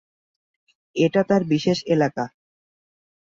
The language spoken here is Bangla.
এটা তাঁর বিশেষ এলাকা।